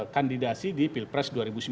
kandidasi di pilpres dua ribu sembilan belas